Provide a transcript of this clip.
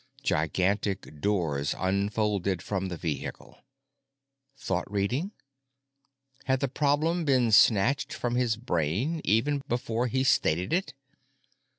Gigantic doors unfolded from the vehicle. Thought reading? Had the problem been snatched from his brain even before he stated it?